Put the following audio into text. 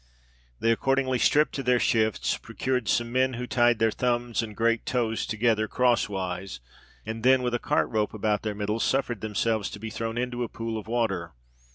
They accordingly stripped to their shifts procured some men, who tied their thumbs and great toes together, cross wise, and then, with a cart rope about their middle, suffered themselves to be thrown into a pool of water.